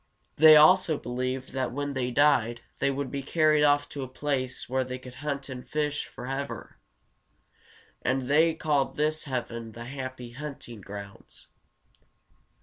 They also believed that when they died they would be carried off to a place where they could hunt and fish forever, and they called this heaven the happy hunting grounds.